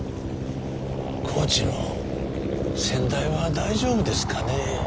高知の先代は大丈夫ですかね？